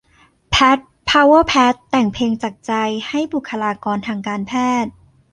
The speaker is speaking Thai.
แพท พาวเวอร์แพท แต่งเพลงจากใจให้บุคลากรทางการแพทย์